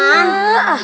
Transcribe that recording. bukan ember lukman